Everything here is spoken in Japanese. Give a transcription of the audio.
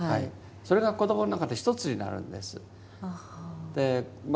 それが子どもの中で一つになるんです。